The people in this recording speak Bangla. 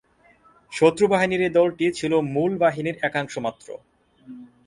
শত্রু বাহিনীর এ দলটি ছিল মূল বাহিনীর একাংশ মাত্র।